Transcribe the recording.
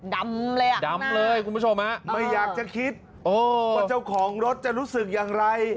ดำเลยอ่ะดำเลยคุณผู้ชมฮะไม่อยากจะคิดว่าเจ้าของรถจะรู้สึกอย่างไร